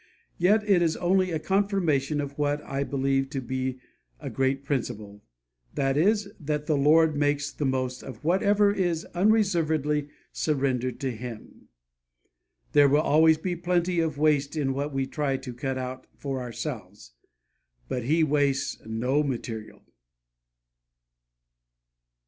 Yet it is only a confirmation of what I believe to be a great principle, viz. that the Lord makes the most of whatever is unreservedly surrendered to Him. There will always be plenty of waste in what we try to cut out for ourselves. But He wastes no material!